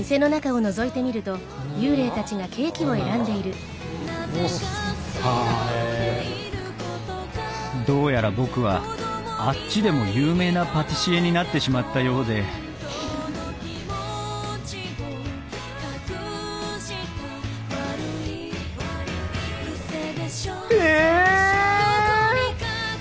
そしてどうやら僕は「あっち」でも有名なパティシエになってしまったようでえ！